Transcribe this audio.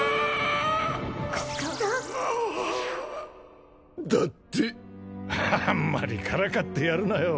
クッサだってあんまりからかってやるなよ